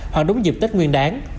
hoặc đúng dịp tết nguyên đáng